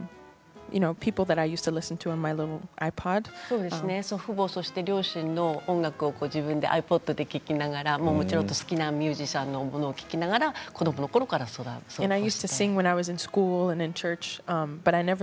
そうですね祖父母と両親の音楽を自分でｉＰｏｄで聴きながら自分の好きなミュージシャンの歌を聴きながら子どものころからそう思っていました。